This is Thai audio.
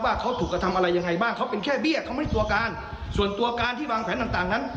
ว่าเขาถูกกระทำอะไรยังไงบ้างเขาเป็นแค่เบี้ยเขาไม่ตัวการส่วนตัวการที่วางแผนต่างต่างนั้น